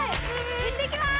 いってきます。